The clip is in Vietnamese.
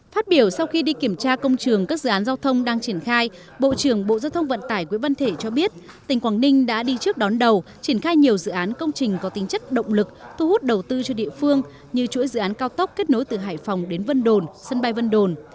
đặc biệt với dự án trọng điểm đang triển khai bộ trưởng bộ giao thông vận tải quỹ văn thể cho biết tỉnh quảng ninh đã đi trước đón đầu triển khai nhiều dự án công trình có tính chất động lực thu hút đầu tư cho địa phương như chuỗi dự án cao tốc kết nối từ hải phòng đến vân đồn sân bay vân đồn